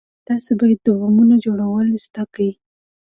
تاسې بايد د بمونو جوړول زده کئ.